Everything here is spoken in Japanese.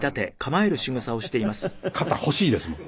型欲しいですもん。